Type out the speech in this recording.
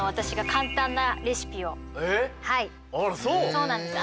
そうなんです。